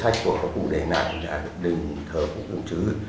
của quê hương